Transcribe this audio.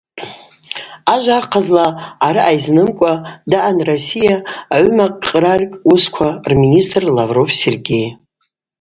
Ажва ахъазла, араъа йызнымкӏва даъан Россия агӏвымакъраль уысква рминистр Лавров Сергей.